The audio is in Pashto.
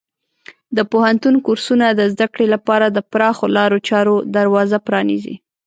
د پوهنتون کورسونه د زده کړې لپاره د پراخو لارو چارو دروازه پرانیزي.